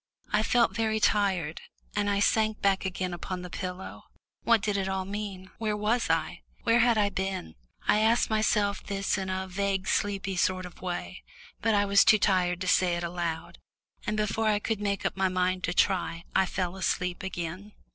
I felt very tired, and I sank back again upon the pillow. What did it all mean? Where was I? Where had I been? I asked myself this in a vague sleepy sort of way, but I was too tired to say it aloud, and before I could make up my mind to try I fell asleep again.